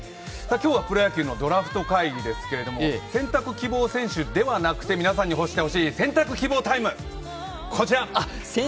今日はプロ野球のドラフト会議ですけども、選択希望選手ではなくて、皆さんに干してほしい洗濯希望タイム、こちら。